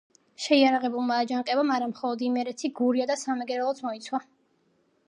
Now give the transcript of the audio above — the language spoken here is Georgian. შეიარაღებულმა აჯანყებამ არა მხოლოდ იმერეთი, გურია და სამეგრელოც მოიცვა.